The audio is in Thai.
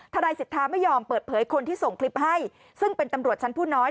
นายสิทธาไม่ยอมเปิดเผยคนที่ส่งคลิปให้ซึ่งเป็นตำรวจชั้นผู้น้อย